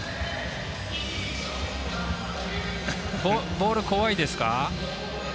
ボール、怖いですか？